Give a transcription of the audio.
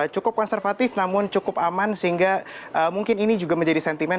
cukup konservatif namun cukup aman sehingga mungkin ini juga menjadi sentimen